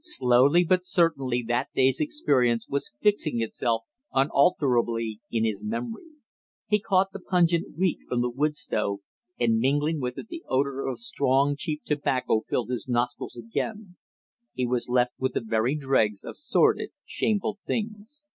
Slowly but certainly that day's experience was fixing itself unalterably in his memory. He caught the pungent reek from the wood stove, and mingling with it the odor of strong cheap tobacco filled his nostrils again; he was left with the very dregs of sordid shameful things.